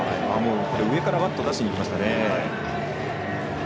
上からバットを出しにいきましたね。